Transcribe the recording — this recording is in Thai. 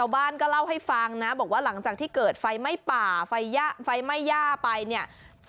บ้านก็เล่าให้ฟังนะบอกว่าหลังจากที่เกิดไฟไหม้ป่าไฟไหม้ย่าไปเนี่ย